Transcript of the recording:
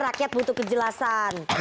rakyat butuh kejelasan